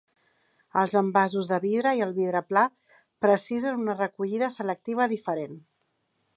Els envasos de vidre i el vidre pla precisen una recollida selectiva diferent.